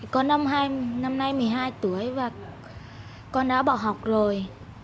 con năm nay một mươi hai tuổi và con đã bỏ học rồi